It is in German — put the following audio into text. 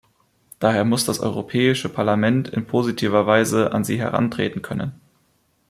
Daher muss das Europäische Parlament in positiver Weise an sie herantreten können.